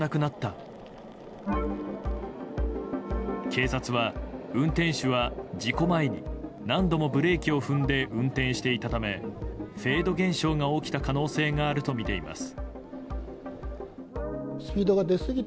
警察は、運転手は事故前に何度もブレーキを踏んで運転していたためフェード現象が起きた可能性があるとみています。